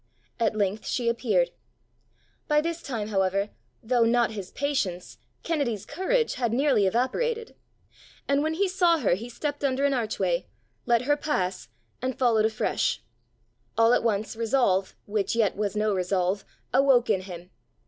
At length she appeared. By this time, however, though not his patience, Kennedy's courage had nearly evaporated; and when he saw her he stepped under an archway, let her pass, and followed afresh. All at once resolve, which yet was no resolve, awoke in him.